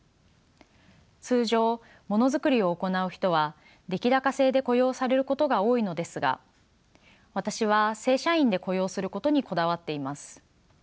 通常ものづくりを行う人は出来高制で雇用されることが多いのですが私は正社員で雇用することにこだわっています。